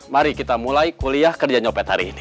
mari kita mulai kuliah kerja nyopet hari ini